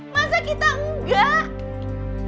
masa kita enggak